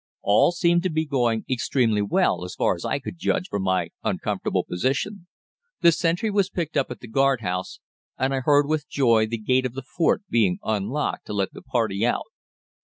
All seemed to be going extremely well as far as I could judge from my uncomfortable position; the sentry was picked up at the guardhouse, and I heard with joy the gate of the fort being unlocked to let the party out.